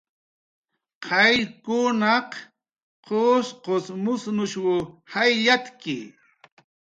Qayllkunaq musnush jayllatki